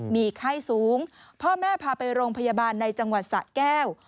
มีไข้สูงพ่อแม่พาไปโรงพยาบาลในจังหวัดสะแก้ว